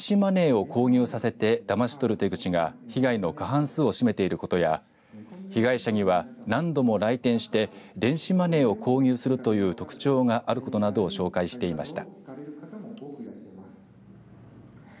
詐欺について説明し電子マネーを購入させてだまし取る手口が被害の過半数を占めていることや被害者には何度も来店して電子マネーを購入するという特徴があることなどを紹介していました。